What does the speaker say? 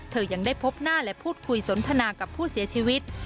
ยังได้พบหน้าและพูดคุยสนทนากับผู้เสียชีวิต